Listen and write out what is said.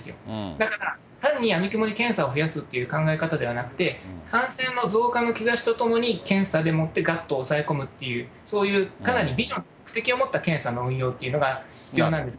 だから、単にやみくもに検査を増やすという考え方ではなくて、感染の増加の兆しとともに、検査でもってがっと抑え込むという、そういう、かなりビジョン、目的を持った検査の運用っていうのが必要なんです。